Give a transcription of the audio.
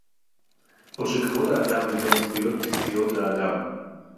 או שכבוד האדם זה גם זכויות בסיסיות לאדם